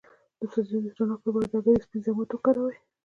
د سوځیدو د تڼاکو لپاره د هګۍ د سپین ضماد وکاروئ